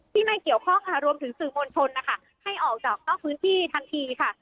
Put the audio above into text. ไม่เกี่ยวข้องค่ะรวมถึงสื่อมวลชนนะคะให้ออกจากนอกพื้นที่ทันทีค่ะ